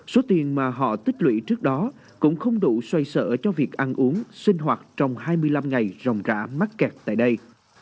số tiền mà họ tích lũy trước đó cũng không đủ xoay sở cho việc ăn uống sinh hoạt trong hai mươi năm ngày rồng rã mắc kẹt tại đây